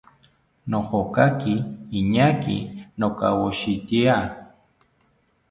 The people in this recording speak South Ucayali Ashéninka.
Nojonkaki iñaaki nokawoshitya